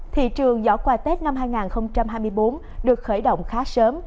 thị trường giỏ quà tết năm hai nghìn hai mươi bốn được khởi động khá sớm